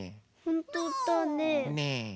ほんとだね。